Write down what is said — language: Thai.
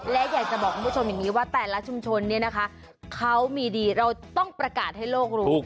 และอยากจะบอกคุณผู้ชมอย่างนี้ว่าแต่ละชุมชนเนี่ยนะคะเขามีดีเราต้องประกาศให้โลกรู้